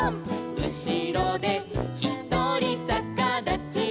「うしろでひとりさかだちルー」